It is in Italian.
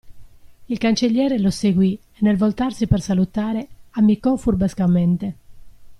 Il cancelliere lo seguì e nel voltarsi per salutare, ammiccò furbescamente.